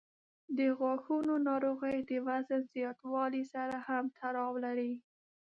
د غاښونو ناروغۍ د وزن زیاتوالي سره هم تړاو لري.